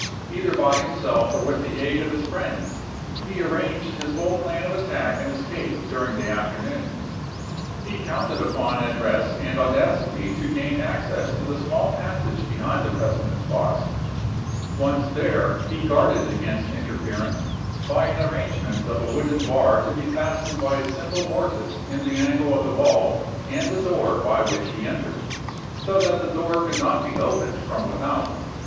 Either by himself or with the aid of his friends he arranged his whole plan of attack and escape dur ing the afternoon. He counted upon address and audacity to gain access to the small passage be hind the President's box; once there, he guarded against interference by an arrangement of a wooden bar to be fastened by a simple mortice in the angle of the wall and the door by which he entered, so that the door could not be opened from without.